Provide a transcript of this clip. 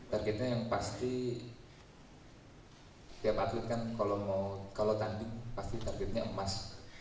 targetnya yang pasti tiap atlet kan kalau mau kalau tanding pasti targetnya emas